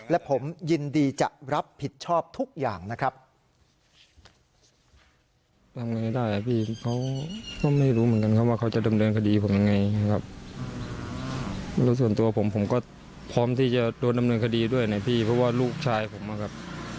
และผมยินดีจะรับผิดชอบทุกอย่างนะครับ